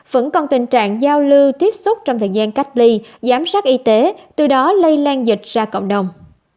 vẫn còn tình trạng giao lưu tiếp xúc trong thời gian cách ly giám sát y tế từ đó lây lan dịch ra cộng đồng